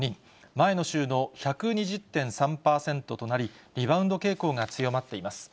前の週の１２０．３％となり、リバウンド傾向が強まっています。